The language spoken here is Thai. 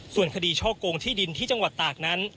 ส่วนคดีช่อกงที่ดินที่จังหวัดตากนั้น